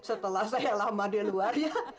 setelah saya lama di luar